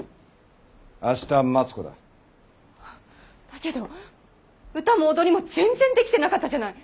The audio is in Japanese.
だけど歌も踊りも全然できてなかったじゃない。